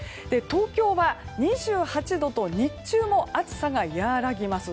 東京は２８度と日中も暑さが和らぎます。